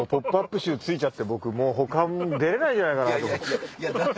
臭ついちゃって僕もう他出れないんじゃないかなと思って。